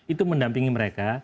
itu mendampingi mereka